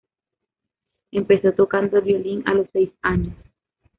Empezó tocando el violín a los seis años.